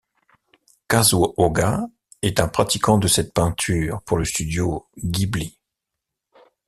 Kazuo Oga est un pratiquant de cette peinture pour le studio Ghibli.